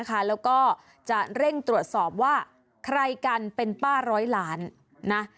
แล้วก็จะเร่งตรวจสอบว่าใครกันเป็นป้าร้อยล้านนะ